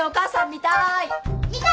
見たーい！